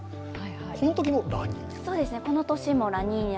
このときもラニーニャ。